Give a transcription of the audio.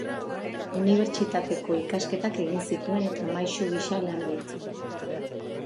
Unibertsitateko ikasketak egin zituen eta maisu gisa lan egin zuen.